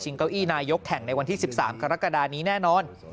เก้าอี้นายกแข่งในวันที่๑๓กรกฎานี้แน่นอน